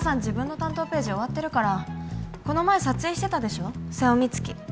自分の担当ページ終わってるからこの前撮影してたでしょ瀬尾光希